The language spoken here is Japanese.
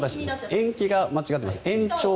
延期が間違っていました。